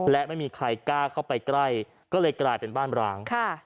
และไม่มีใครกล้าเข้าไปใกล้ก็เลยกลายเป็นบ้านร้าง